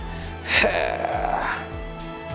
へえ。